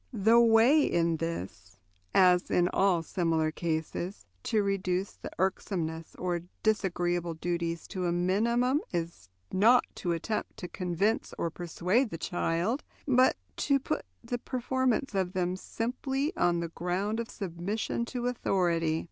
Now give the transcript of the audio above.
The way in this, as in all other similar cases, to reduce the irksomeness of disagreeable duties to a minimum is not to attempt to convince or persuade the child, but to put the performance of them simply on the ground of submission to authority.